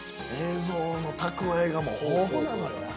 映像の蓄えがもう豊富なのよ